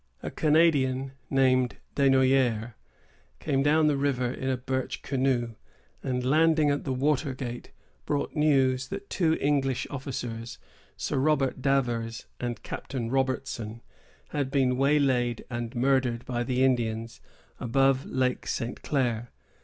A Canadian, named Desnoyers, came down the river in a birch canoe, and, landing at the water gate, brought news that two English officers, Sir Robert Davers and Captain Robertson, had been waylaid and murdered by the Indians, above Lake St. Clair.